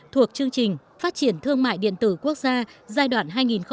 thuộc chương trình phát triển thương mại điện tử quốc gia giai đoạn hai nghìn một mươi tám hai nghìn hai mươi